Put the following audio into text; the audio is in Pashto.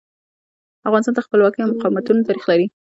افغانستان د خپلواکیو او مقاومتونو تاریخ لري.